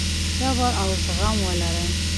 صبر او زغم ولرئ.